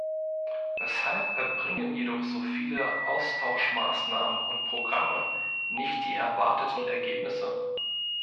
Weshalb erbringen jedoch so viele Austauschmaßnahmen und -programme nicht die erwarteten Ergebnisse?